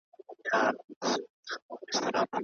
باړخو ګانو یې اخیستی {یاره} زما د وینو رنګ دی